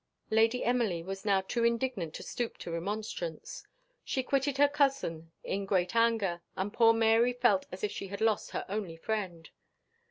Lady Emily was now too indignant to stoop to remonstrance. She quitted her cousin in great anger, and poor Mary felt as if she had lost her only friend.